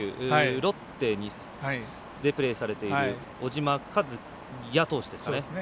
ロッテでプレーされている小島和哉投手ですね。